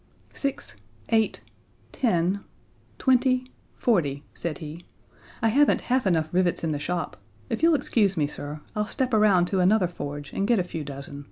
"Six, eight, ten twenty, forty," said he. "I haven't half enough rivets in the shop. If you'll excuse me, sir, I'll step around to another forge and get a few dozen.